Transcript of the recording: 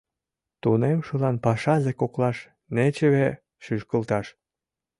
— Тунемшылан пашазе коклаш нечыве шӱшкылташ!